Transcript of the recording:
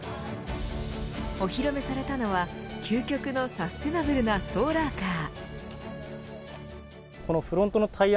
お披露目されたのは究極のサステナブルなソーラーカー。